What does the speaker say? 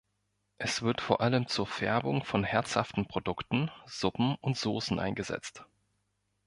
Es wird vor allem zur Färbung von herzhaften Produkten, Suppen und Soßen eingesetzt.